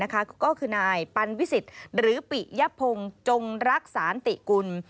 ก็คือนายปันวิสิทธิ์หรือปิยพงศ์จงรักษานติกุล